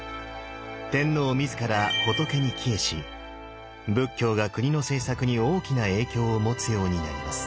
天皇自ら仏に帰依し仏教が国の政策に大きな影響を持つようになります。